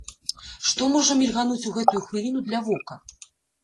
Што можа мільгануць у гэтую хвіліну для вока?